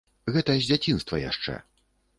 Гэта з дзяцінства яшчэ.